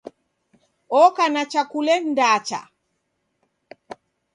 Oka na chwakule ndacha